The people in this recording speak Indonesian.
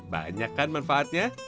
banyak kan manfaatnya